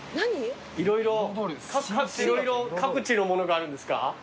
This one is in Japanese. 色々各地のものがあるんですか？